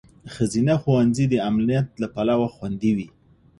ښځینه ښوونځي د امنیت له پلوه خوندي وي.